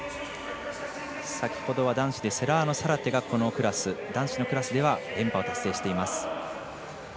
先ほどは男子でセラーノサラテがこのクラスで連覇を達成しています。